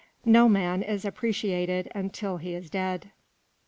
"No man is appreciated until he is dead."